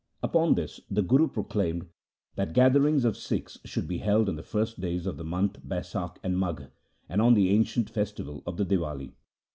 Upon this the Guru proclaimed that gatherings of Sikhs should be held on the first days of the months Baisakh and Magh, and on the ancient festival of the Diwali.